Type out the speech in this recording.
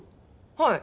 はい。